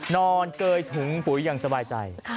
เกยถุงปุ๋ยอย่างสบายใจ